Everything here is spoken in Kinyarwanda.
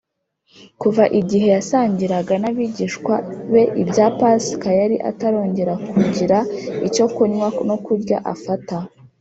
kuva igihe yasangiraga n’abigishwa be ibya pasika, yari atarongera kugira icyo kunywa no kurya afata